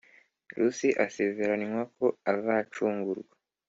Rusi asezeranywa ko azacungurwa